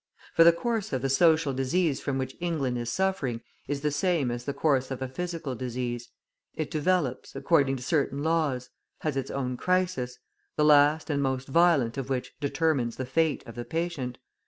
For the course of the social disease from which England is suffering is the same as the course of a physical disease; it develops, according to certain laws, has its own crisis, the last and most violent of which determines the fate of the patient.